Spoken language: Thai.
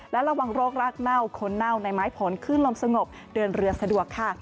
และระวังโรครากเน่าคนเน่าในไม้ผลขึ้นลมสงบเดินเรือสะดวกค่ะ